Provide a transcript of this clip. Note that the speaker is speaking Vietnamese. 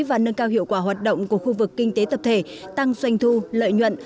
và nâng cao hiệu quả hoạt động của khu vực kinh tế tập thể tăng doanh thu lợi nhuận